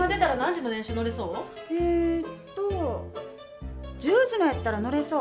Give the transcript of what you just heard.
今出たらえっと１０時のやったら乗れそう。